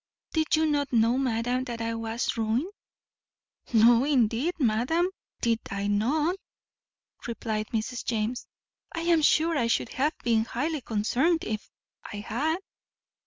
Did you not know, madam, that I was ruined?" "No, indeed, madam, did I not," replied Mrs. James; "I am sure I should have been highly concerned if! had."